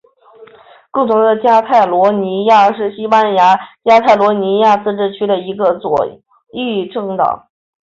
共同的加泰罗尼亚是西班牙加泰罗尼亚自治区的一个左翼政党。